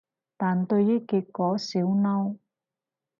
但對於結果少嬲